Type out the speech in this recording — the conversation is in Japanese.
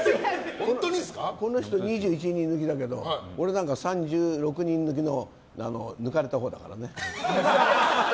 この人２１人抜きだけど俺なんか３６人抜きの抜かれたほうだからね。